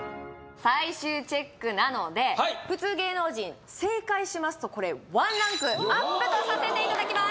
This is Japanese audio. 最終チェックなので普通芸能人正解しますとこれ１ランクアップとさせていただきます